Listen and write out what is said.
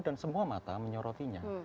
dan semua mata menyorotinya